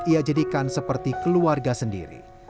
ia jadikan seperti keluarga sendiri